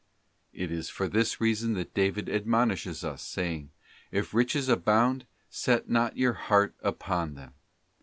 It is for this reason that David admonishes us, saying, ' If riches abound set. not your heart upon them.